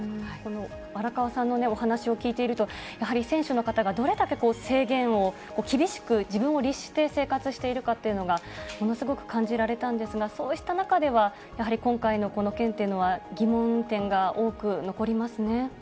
この荒川さんのお話を聞いていると、やはり選手の方がどれだけ制限を厳しく、自分を律して生活しているかっていうのがものすごく感じられたんですが、そうした中では、やはり今回のこの件というのは、疑問点が多く残りますね。